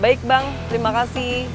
baik bang terima kasih